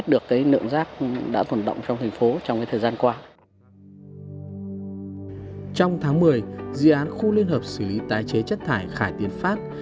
trong thời gian qua dự án khu liên hợp xử lý tái chế chất thải khải tiến phát